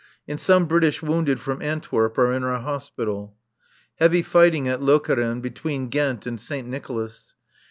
And some British wounded from Antwerp are in our Hospital. Heavy fighting at Lokeren, between Ghent and Saint Nicolas.